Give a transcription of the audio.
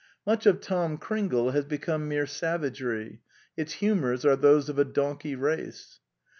Much of Tom Cringle has become mere savagery: its humors are those of a donkey race.